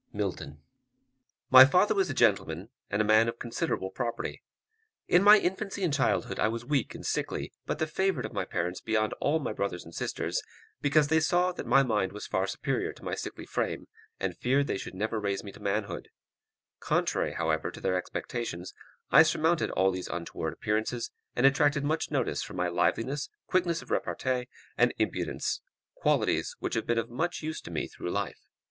MILTON. My father was a gentleman, and a man of considerable property. In my infancy and childhood I was weak and sickly, but the favourite of my parents beyond all my brothers and sisters, because they saw that my mind was far superior to my sickly frame, and feared they should never raise me to manhood; contrary, however, to their expectations, I surmounted all these untoward appearances, and attracted much notice from my liveliness, quickness of repartee, and impudence: qualities which have been of much use to me through life.